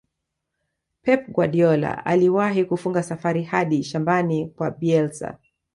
pep guardiola aliwahi kufunga safari hadi shambani kwa bielsa